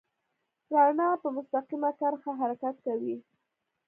رڼا په مستقیمه کرښه حرکت کوي.